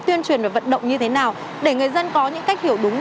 tuyên truyền và vận động như thế nào để người dân có những cách hiểu đúng